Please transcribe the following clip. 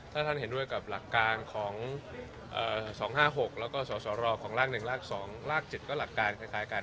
ถ้าท่านเห็นด้วยกับหลักการของ๒๕๖แล้วก็สสรของราก๑ราก๒ราก๗ก็หลักการคล้ายกัน